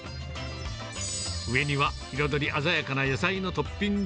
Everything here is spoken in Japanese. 上には彩り鮮やかな野菜のトッピング。